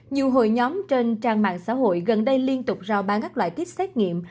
nhiều hội nhóm trên trang mạng xã hội gần đây liên tục rao bán các loại kích xét nghiệm